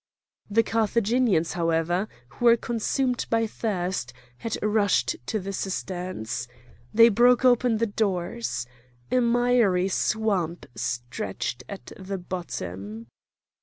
The Carthaginians, however, who were consumed by thirst, had rushed to the cisterns. They broke open the doors. A miry swamp stretched at the bottom.